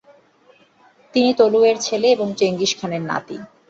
তিনি তোলুইয়ের ছেলে এবং চেঙ্গিস খানের নাতি।